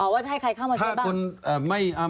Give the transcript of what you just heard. ว่าจะให้ใครเข้ามาช่วยบ้าง